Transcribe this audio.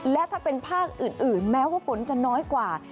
และถ้าเป็นภาคอื่นแม้ว่าฝนจะน้อยกว่า